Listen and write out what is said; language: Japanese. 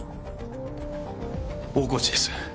大河内です。